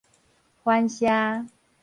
番社